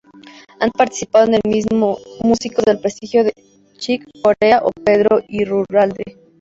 Han participado en el mismo músicos del prestigio de Chick Corea o Pedro Iturralde.